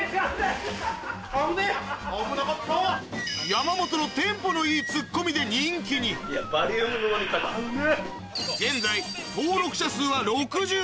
山本のテンポのいいツッコミで人気に現在ぐらいの感じで。